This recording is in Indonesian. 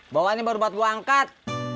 bawah ini baru buat gue angkat